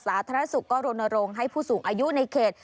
สนัดอสุรกรรมนรงค์ให้ผู้สูงอายุในเขต